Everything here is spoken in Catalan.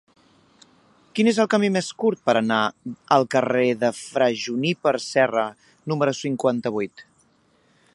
Quin és el camí més curt per anar al carrer de Fra Juníper Serra número cinquanta-vuit?